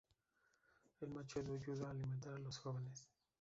El macho ayuda a alimentar a los jóvenes.